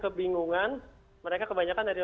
kebingungan mereka kebanyakan dari